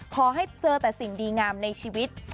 ขอให้เจอแต่สิ่งดีงามในชีวิต